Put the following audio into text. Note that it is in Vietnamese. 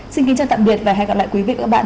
xin kính chào tạm biệt và hẹn gặp lại quý vị và các bạn